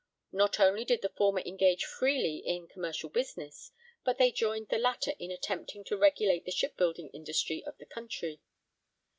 Not only did the former engage freely in commercial business, but they joined the latter in attempting to regulate the shipbuilding industry of the country.